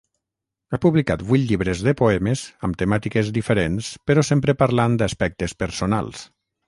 Ha publicat vuit llibres de poemes amb temàtiques diferents però sempre parlant d’aspectes personals.